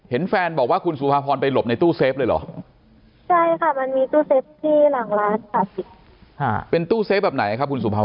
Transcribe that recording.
เห็นแฟนบอกว่าคุณสุภาพรไปหลบในตู้เซฟเลยเหรอใช่ค่ะมันมีตู้เซฟที่หลังร้านค่ะเป็นตู้เซฟแบบไหนครับคุณสุภาพ